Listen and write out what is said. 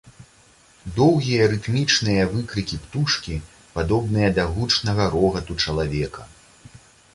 Доўгія рытмічныя выкрыкі птушкі падобныя да гучнага рогату чалавека.